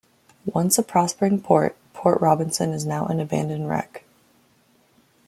Once a prospering port, Port Robinson is now an abandoned wreck.